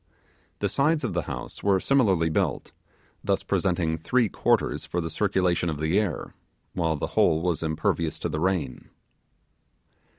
The sides of the house were similarly built; thus presenting three quarters for the circulation of the air, while the whole was impervious to the rain.